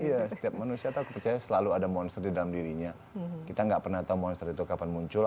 iya setiap manusia aku percaya selalu ada monster di dalam dirinya kita nggak pernah tahu monster itu kapan muncul